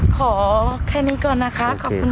ขอแค่นี้ก่อนนะคะ